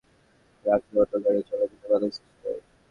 রাস্তার ওপর গাড়ি পার্কিং করে রাখলে অন্য গাড়ি চলাচলে বাধা সৃষ্টি হয়।